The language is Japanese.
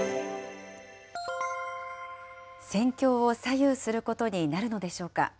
戦況を左右することになるのでしょうか。